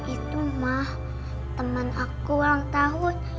itu mah teman aku ulang tahun